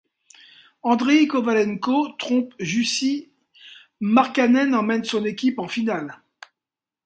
Andreï Kovalenko trompe Jussi Markkanen emmène son équipe en finale.